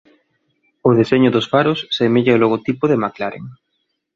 O deseño dos faros semella o logotipo de McLaren.